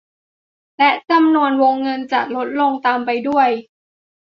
และจำนวนวงเงินจะลดลงตามไปด้วย